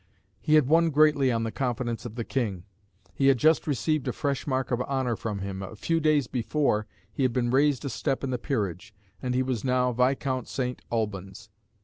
He had won greatly on the confidence of the King. He had just received a fresh mark of honour from him: a few days before he had been raised a step in the peerage, and he was now Viscount St. Alban's.